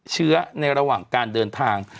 เชื้อในระหว่างการเดินทาง